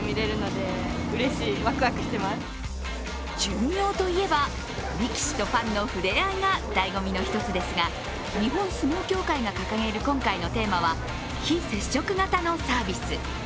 巡業といえば、力士とファンの触れ合いがだいごみの一つですが、日本相撲協会が掲げる今回のテーマは、非接触型のサービス。